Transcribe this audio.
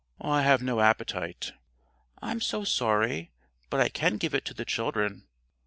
"I have no appetite." "I'm so sorry, but I can give it to the children."